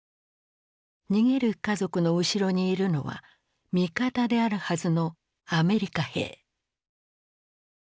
逃げる家族の後ろにいるのは味方であるはずのアメリカ兵。